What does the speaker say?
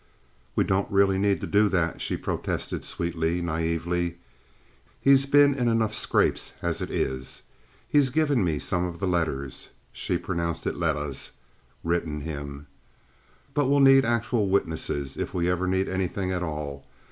"We don't really need to do that," she protested sweetly, naively. "He's been in enough scrapes as it is. He's given me some of the letters—" (she pronounced it "lettahs")—"written him." "But we'll need actual witnesses if we ever need anything at all.